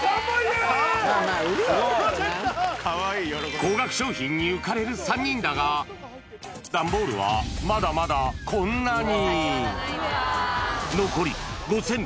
高額商品に浮かれる３人だが、段ボールはまだまだこんなに。